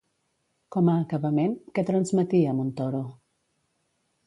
Com a acabament, què transmetia Montoro?